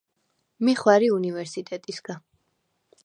მი ხვა̈რი უნივერსტეტისგა.